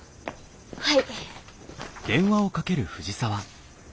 はい。